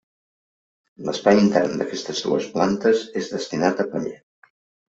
L'espai intern d'aquestes dues plantes és destinat a paller.